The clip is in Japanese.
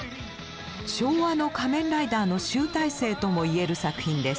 昭和の「仮面ライダー」の集大成とも言える作品です。